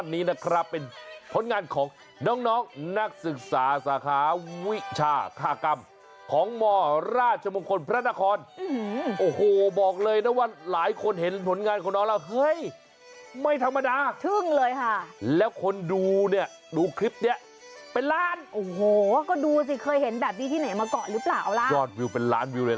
น้องเขาบอกว่ามันมีปัญหานิดหน่อยครับคุณพี่